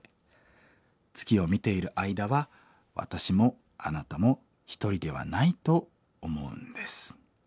月を見ている間は私もあなたも一人ではないと思うんです」。